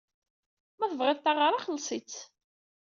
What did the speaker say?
Ma tebɣid taɣara, xelleṣ-itt.